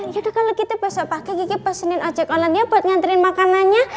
yaudah kalau kita besok pakai kiki pesenin ojek online dia buat ngantriin makanannya